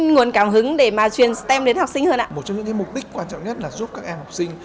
nguồn cảm hứng để mà truyền stem đến học sinh hơn ạ một trong những mục đích quan trọng nhất là giúp các em học sinh